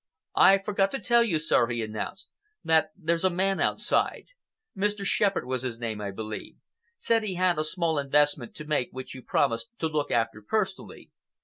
"I forgot to tell you, sir," he announced, "that there s a man outside—Mr. Shepherd was his name, I believe—said he had a small investment to make which you promised to look after personally.